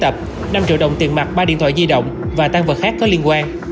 ba điện thoại di động và tăng vật khác có liên quan